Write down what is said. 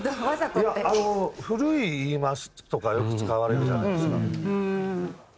いやあの古い言い回しとかよく使われるじゃないですか。